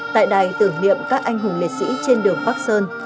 tại đài tưởng niệm các anh hùng liệt sĩ trên đường bắc sơn